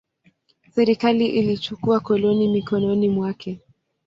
Serikali ilichukua koloni mikononi mwake.